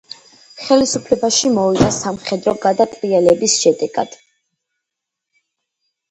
ხელისუფლებაში მოვიდა სამხედრო გადატრიალების შედეგად.